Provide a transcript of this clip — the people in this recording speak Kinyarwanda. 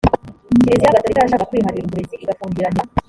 kiriziya gatorika yashakaga kwiharira uburezi igafungiranira